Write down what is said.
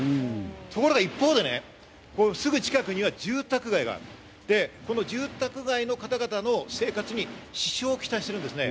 ところが一方で、すぐ近くには住宅街があるこの住宅街の方々の生活に支障をきたしているんですね。